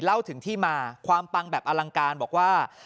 เล่าถึงที่มาความปังแบบอลังการบอกว่า